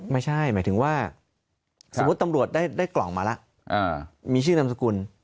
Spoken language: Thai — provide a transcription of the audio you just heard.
ไม่ใช่หมายถึงว่าสมมุติตำรวจได้กล่องมาแล้วมีชื่อนามสกุล